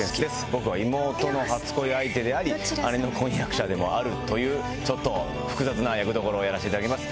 僕は妹の初恋相手であり姉の婚約者でもあるというちょっと複雑な役どころをやらせていただきます。